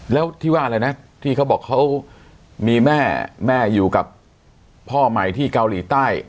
แล้วที่ว่าอะไรนะที่เขาบอกเขามีแม่แม่อยู่กับพ่อใหม่ที่เกาหลีใต้